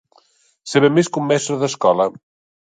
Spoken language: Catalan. Saber més que un mestre d'escola.